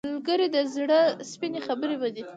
ملګری د زړه سپینې خبرې مني